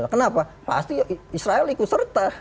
kenapa pasti israel ikut serta